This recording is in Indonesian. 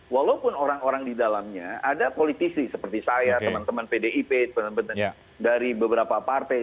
walaupun orang orang di dalamnya ada politisi seperti saya teman teman pdip teman teman dari beberapa partai